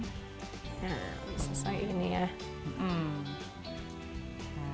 nah selesai ini ya